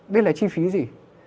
đây là chi phí gì